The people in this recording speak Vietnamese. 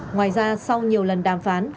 ngoài ra sau nhiều lần đàm phán